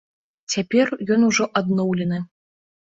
Цяпер ён ужо адноўлены.